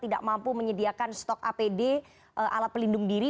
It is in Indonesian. tidak mampu menyediakan stok apd alat pelindung diri